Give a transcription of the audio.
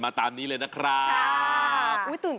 คาถาที่สำหรับคุณ